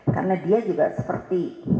karena dia juga seperti